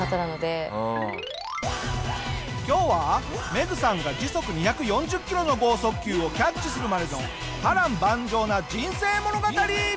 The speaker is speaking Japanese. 今日はメグさんが時速２４０キロの豪速球をキャッチするまでの波瀾万丈な人生物語！